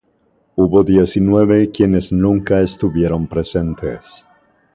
Hubo diecinueve quienes nunca estuvieron presentes.